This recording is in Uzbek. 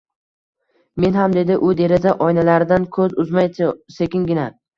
-Men ham, — dedi u deraza oynalaridan ko’z uzmay sekingina.